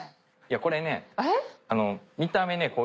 これね見た目。